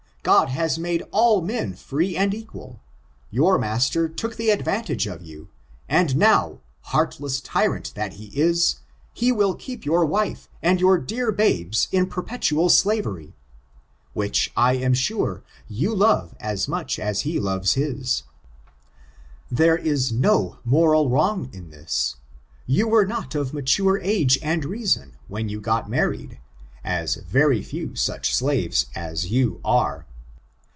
God has made all men free and equal. Your master took the advantage of you, and now, heartless tyrant that he is, he will keep your wife, and your dear babes, in ^^0^0^f^f^f^f^0m > I '', ON ABOLinOHISM. 519 perpetual slavery, which, I am sure, you love as much as he loves his. There is no moral wrong in this. You were not of mature age and reason when you got married, as very few such slaves as you are.